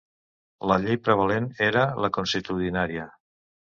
La llei prevalent era la consuetudinària.